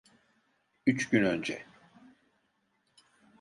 Üç gün önce.